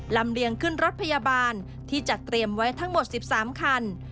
เลียงขึ้นรถพยาบาลที่จัดเตรียมไว้ทั้งหมด๑๓คัน